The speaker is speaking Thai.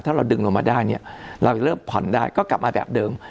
ถ้าเราดึงลงมาได้เนี่ยเราจะเริ่มผ่อนได้ก็กลับมาแบบเดิม